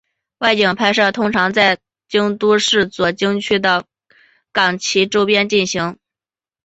外景拍摄通常都在京都市左京区的冈崎周边进行。